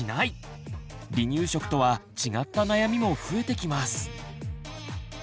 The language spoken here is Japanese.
離乳食とは違った悩みも増えてきます。